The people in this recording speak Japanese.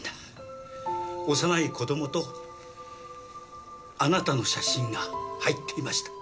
幼い子供とあなたの写真が入っていました。